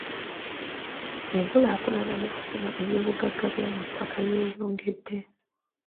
Enkulaakulana mu kusima ebyobugagga eby'omuttaka yeeyongedde.